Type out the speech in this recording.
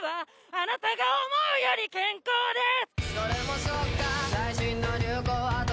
「あなたが思うより健康です」